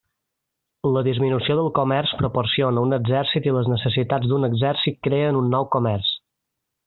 La disminució del comerç proporciona un exèrcit i les necessitats d'un exèrcit creen un nou comerç.